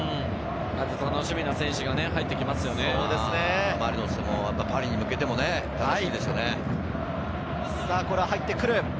楽しみな選手が入ってきパリに向けても楽しみですよね。